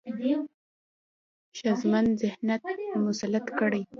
ښځمن ذهنيت مسلط کړي،